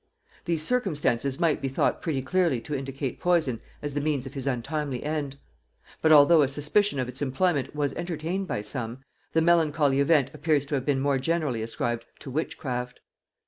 These circumstances might be thought pretty clearly to indicate poison as the means of his untimely end: but although a suspicion of its employment was entertained by some, the melancholy event appears to have been more generally ascribed to witchcraft.